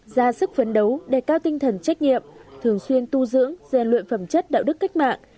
ra sức phấn đấu đề cao tinh thần trách nhiệm thường xuyên tu dưỡng rèn luyện phẩm chất đạo đức cách mạng